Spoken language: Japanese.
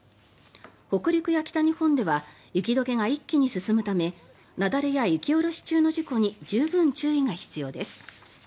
北陸や北日本では雪解けが一気に進むため雪崩や雪下ろし中の事故に十分注意が必要です。